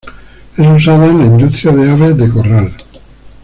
Es usada en la industria de aves de corral.